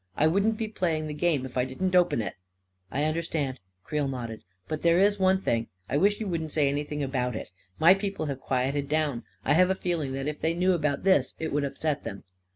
I wouldn't be playing the game if I didn't open it." 44 1 understand," Creel nodded. 4< But there is one thing — I wish you wouldn't say anything about it. My people have quieted down ; I have a feeling that if they knew about this, it would upset them."